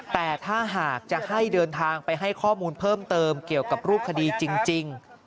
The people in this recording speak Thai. แต่ถ้าหากจะให้เดินทางไปให้ข้อมูลเพิ่มเติมเกี่ยวกับรูปคดีจริง